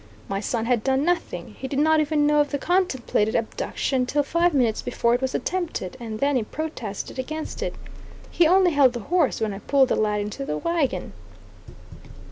My son had done nothing. He did not even know of the contemplated abduction till five minutes before it was attempted, and then he protested against it. He only held the horse when I pulled the lad into the wagon.